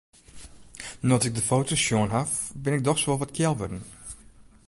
No't ik de foto's sjoen ha, bin ik dochs wol wat kjel wurden.